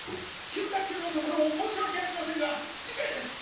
・休暇中のところを申し訳ありませんが事件です！